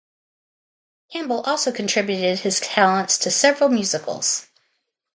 Campbell also contributed his talents to several musicals.